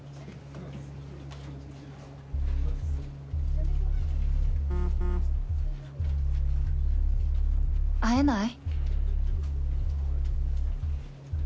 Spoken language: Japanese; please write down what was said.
わ会えない？